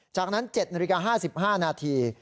จากนั้น๗นาฬิกา๕๕นาที